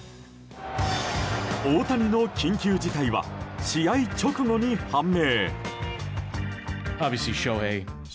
大谷の緊急事態は試合直後に判明。